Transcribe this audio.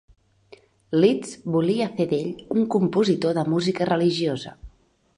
Liszt volia fer d'ell un compositor de música religiosa.